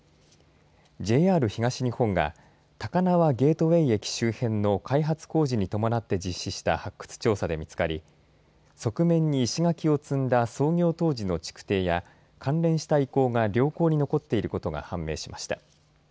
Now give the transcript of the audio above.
ＪＲ東日本が高輪ゲートウェイ駅周辺の開発工事に伴って実施した発掘調査で見つかり側面に石垣を積んだ創業当時の築堤や関連した遺構が良好に残っていることが判明しました。